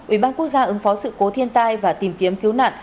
ủy ban quốc gia ứng phó sự cố thiên tai và tìm kiếm cứu nạn